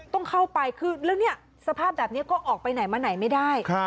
ต้องเข้าไปคือแล้วเนี่ยสภาพแบบนี้ก็ออกไปไหนมาไหนไม่ได้